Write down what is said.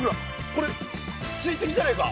これ水滴じゃねえか？